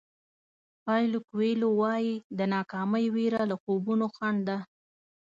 پایلو کویلو وایي د ناکامۍ وېره له خوبونو خنډ ده.